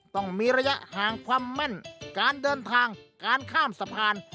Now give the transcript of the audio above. ต้องมีระยะห่างความแม่นการเดินทางการข้ามสะพาน